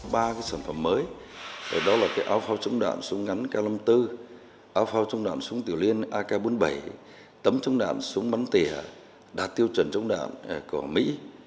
ba cái sản phẩm mới đó là áo phao chống đạn súng ngắn k năm mươi bốn áo phao chống đạn súng tiểu liên ak bốn mươi bảy tấm chống đạn súng bắn tỉa đạt tiêu chuẩn chống đạn của mỹ